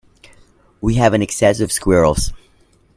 We have an excess of squirrels.